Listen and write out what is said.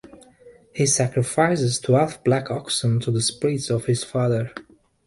He sacrifices twelve black oxen to the spirits of his father.